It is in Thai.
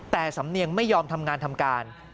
แต่สำเนียงไม่ยอมทำงานทำการ